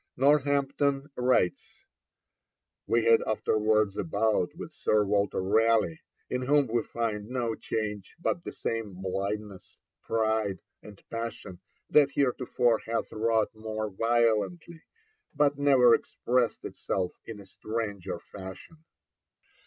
Northampton writes: 'We had afterwards a bout with Sir Walter Raleigh, in whom we find no change, but the same blindness, pride, and passion that heretofore hath wrought more violently, but never expressed itself in a stranger fashion.'